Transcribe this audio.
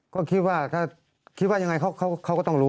ก็คิดว่ายังไงเขาก็ต้องรู้